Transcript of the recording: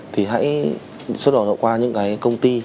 thì hãy xuất hậu đậu qua những công ty